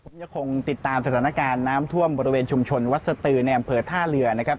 ผมยังคงติดตามสถานการณ์น้ำท่วมบริเวณชุมชนวัศตือแนมเผลอท่าเรือ